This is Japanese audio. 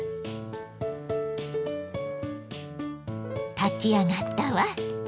炊き上がったわ。